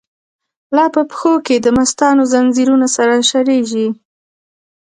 لاپه پښو کی دمستانو، ځنځیرونه سره شلیږی